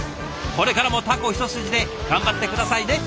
これからもタコ一筋で頑張って下さいね！